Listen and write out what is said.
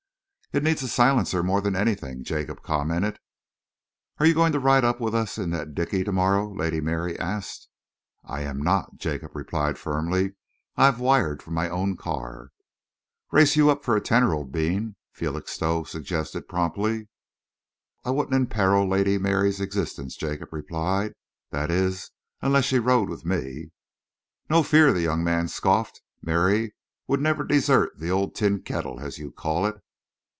"It needs a silencer more than anything," Jacob commented. "Are you going to ride up with us in the dickey to morrow?" Lady Mary asked. "I am not," Jacob replied firmly. "I have wired for my own car." "Race you up for a tenner, old bean," Felixstowe suggested promptly. "I wouldn't imperil Lady Mary's existence," Jacob replied, "that is, unless she rode with me." "No fear," the young man scoffed. "Mary would never desert the old tin kettle, as you call it."